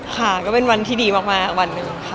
ค่ะก็เป็นวันที่ดีมากวันหนึ่งค่ะ